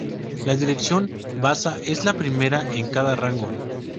La dirección base es la primera en cada rango.